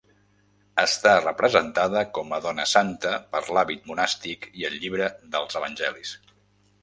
Està representada com a dona santa per l'hàbit monàstic i el llibre dels Evangelis.